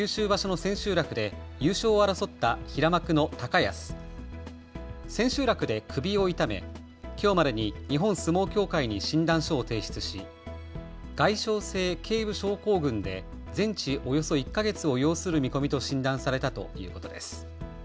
千秋楽で首を痛めきょうまでに日本相撲協会に診断書を提出し外傷性けい部症候群で全治およそ１か月を要する見込みと診断されたということです。